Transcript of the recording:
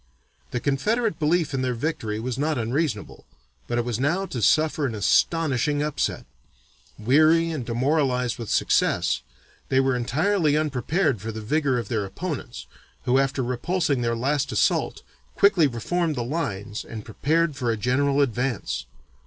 The Confederate belief in their victory was not unreasonable, but it was now to suffer an astonishing upset. Weary and demoralized with success, they were entirely unprepared for the vigor of their opponents, who after repulsing their last assault, quickly reformed the lines and prepared for a general advance.